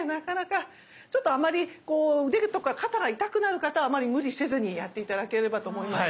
ちょっとあまり腕とか肩が痛くなる方はあまり無理せずにやって頂ければと思います。